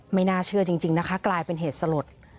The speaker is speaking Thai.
ไม่น่าเชื่อจริงนะคะกลายเป็นเหตุสลด